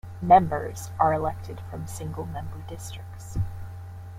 Members are elected from single-member districts.